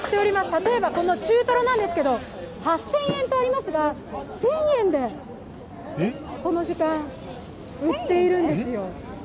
例えばこの中トロなんですが８０００円とありますが、１０００円でこの時間、売っているんですよ。